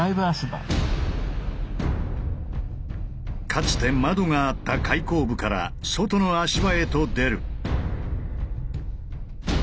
かつて窓があった開口部から外の足場へと出る。